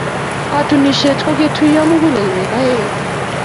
Katunisyet ko ketuiyo mugulelweek aeng.